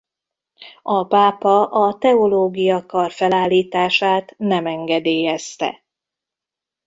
A pápa a teológia kar felállítását nem engedélyezte.